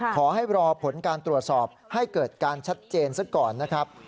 ขอให้รอผลการตรวจสอบให้เกิดการชัดเจนซะก่อนนะครับ